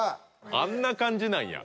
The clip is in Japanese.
あんな感じなんや。